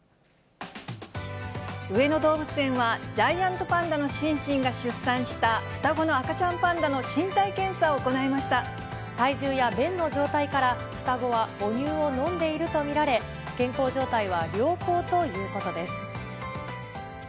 上野動物園は、ジャイアントパンダのシンシンが出産した双子の赤ちゃんパンダの体重や便の状態から、双子は母乳を飲んでいると見られ、健康状態は良好ということです。